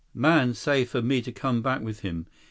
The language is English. "Man say for me to come back with him.